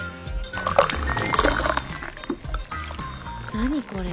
何これ？